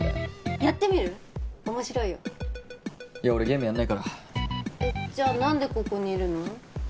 ゲームやんないからえっじゃあ何でここにいるの？